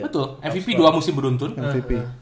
betul mvp dua musim beruntun mvp